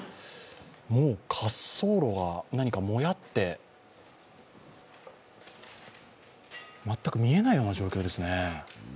もう滑走路がもやって全く見えないような状態ですね。